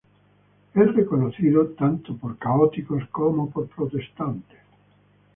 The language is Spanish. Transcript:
Es reconocido tanto por católicos como protestantes.